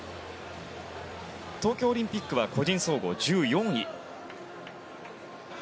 東京オリンピックは個人総合１４位。